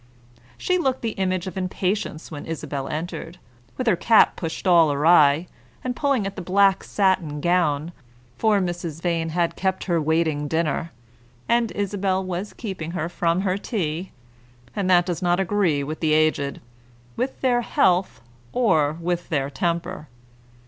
She looked the image of impatience when Isabel entered, with her cap pushed all awry, and pulling at the black satin gown, for Mrs. Vane had kept her waiting dinner, and Isabel was keeping her from her tea; and that does not agree with the aged, with their health or with their temper.